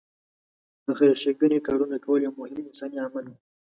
د خېر ښېګڼې کارونه کول یو مهم انساني عمل دی.